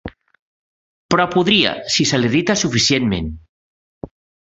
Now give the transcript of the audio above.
Però podria, si se l'irrita suficientment.